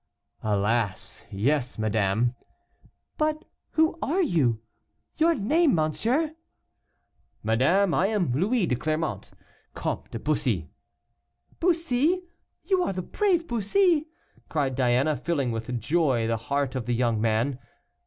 "Alas! yes, madame." "But who are you? your name, monsieur?" "Madame, I am Louis de Clermont, Comte de Bussy." "Bussy! you are the brave Bussy!" cried Diana, filling with joy the heart of the young man.